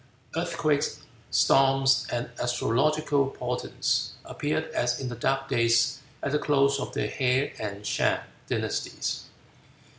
Earthquakes, storms, and astrological portents appeared as in the dark days at the close of the Hea and Shang dynasties.